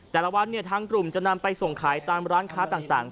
แต่ละวันทางกลุ่มจะนำไปส่งขายตามร้านค้าต่าง